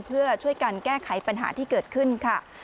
เพื่อช่วยกันแก้ไขปัญหาที่เกิดขึ้นค่ะ